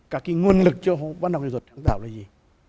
các cái nguồn lực cho văn học nghệ thuật sáng tạo là gì